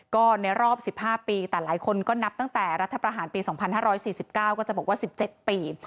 ก็ในรอบ๑๕ปีแต่หลายคนก็นับตั้งแต่รัฐประหารปี๒๕๔๙ก็จะบอกว่า๑๗ปี